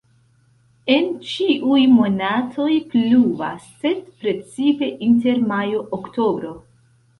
En ĉiuj monatoj pluvas, sed precipe inter majo-oktobro.